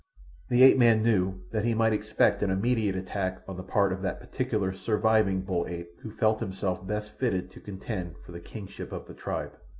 The ape man knew that he might expect an immediate attack on the part of that particular surviving bull ape who felt himself best fitted to contend for the kingship of the tribe.